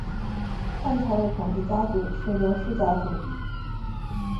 汉朝的统治家族是刘氏家族。